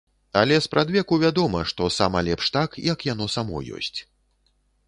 Але спрадвеку вядома, што сама лепш так, як яно само ёсць.